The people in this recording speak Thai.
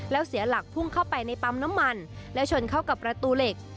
แล้วเสียหลักพุ่งเข้าไปในปั๊มน้ำมันและชนเข้ากับประตูเหล็ก